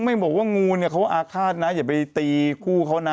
ไม่บอกว่างูเนี่ยเขาอาฆาตนะอย่าไปตีคู่เขานะ